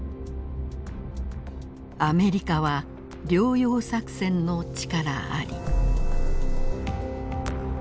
「アメリカは両洋作戦の力あり」。